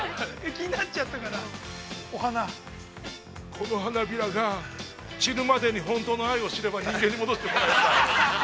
◆この花びらが、散るまでに本当の愛をしれば、人間に戻れる。